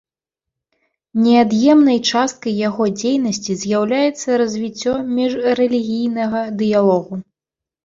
Неад'емнай часткай яго дзейнасці з'яўляецца развіццё міжрэлігійнага дыялогу.